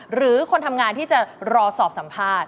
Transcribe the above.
หรือคนทำงานที่จะรอสอบสัมภาษณ์